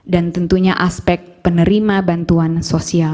dan tentunya aspek penerima bantuan sosial